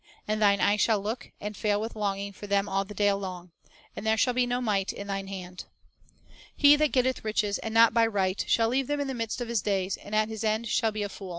and thine eyes shall look, and fail with longing for them all the day long; and there shall be no might in thine hand."* "He that getteth riches, and not by right, shall leave them in the midst of his days, and at his end shall be a fool."